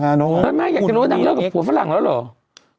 น้องนกอยากจะรู้ว่าหนังเริกกับขวดฝรั่งแล้วหรอ